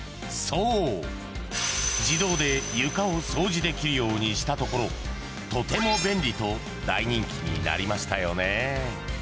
［そう自動で床を掃除できるようにしたところとても便利と大人気になりましたよね］